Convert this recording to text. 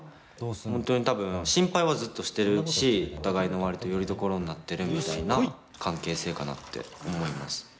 本当に多分心配はずっとしてるしお互いの割とよりどころになってるみたいな関係性かなって思います。